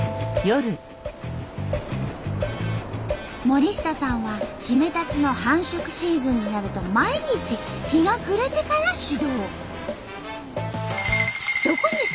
森下さんはヒメタツの繁殖シーズンになると毎日日が暮れてから始動。